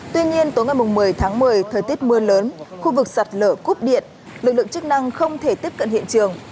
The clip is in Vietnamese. tuy nhiên tối ngày một mươi tháng một mươi thời tiết mưa lớn khu vực sạt lở cúp điện lực lượng chức năng không thể tiếp cận hiện trường